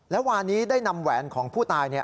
และวานนี้ได้นำแหวนของผู้ตาย